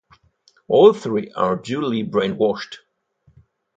All three are duly brainwashed.